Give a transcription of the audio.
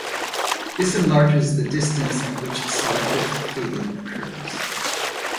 This enlarges the distance at which selective fading occurs.